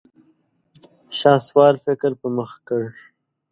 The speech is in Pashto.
شهسوار فکر په مخه کړ.